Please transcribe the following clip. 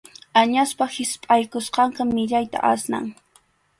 Añaspa hispʼaykusqanqa millayta asnan.